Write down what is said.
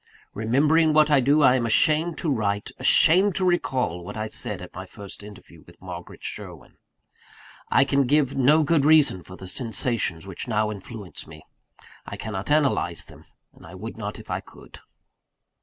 Remembering what I do, I am ashamed to write, ashamed to recall, what I said at my first interview with Margaret Sherwin. I can give no good reason for the sensations which now influence me; I cannot analyse them; and I would not if I could.